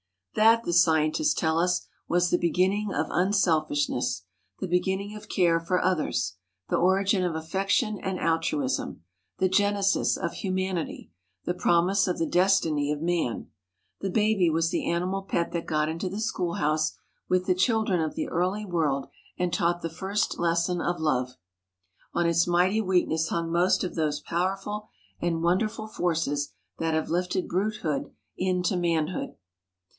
That, the scientists tell us, was the beginning of unselfishness, the beginning of care for others, the origin of affection and altruism, the genesis of humanity, the promise of the destiny of man. The baby was the animal pet that got into the schoolhouse with the children of the early world and taught the first lesson of love. On its mighty weakness hung most of those powerful and wonderful forces that have lifted brutehood into manhood.